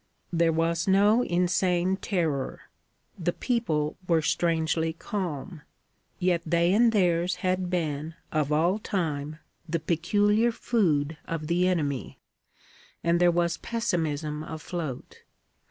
There was no insane terror; the people were strangely calm; yet they and theirs had been, of all time, the peculiar food of the enemy, and there was pessimism afloat.